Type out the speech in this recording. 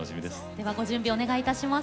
ではご準備お願いいたします。